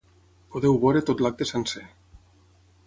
Podeu veure tot l’acte sencer.